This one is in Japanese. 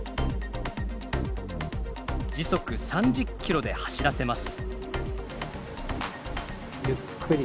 時速３０キロで走らせます